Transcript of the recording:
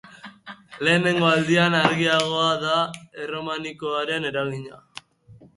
Lehenengo aldian argiagoa da erromanikoaren eragina.